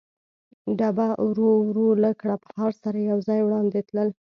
ډبه ورو ورو له کړپهار سره یو ځای وړاندې تلل.